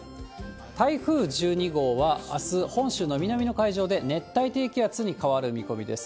台風１２号は、あす、本州の南の海上で熱帯低気圧に変わる見込みです。